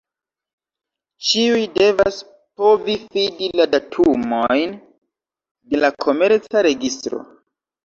Ĉiuj devas povi fidi la datumojn de la Komerca registro.